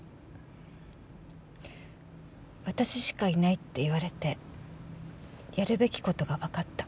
私しかいないって言われてやるべき事がわかった。